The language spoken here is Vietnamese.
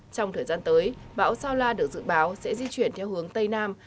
trong thời gian tới bão sao la được dự báo sẽ di chuyển theo hướng tây nam